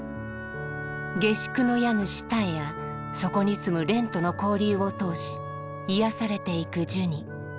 下宿の家主たえやそこに住む蓮との交流を通し癒やされていくジュニ。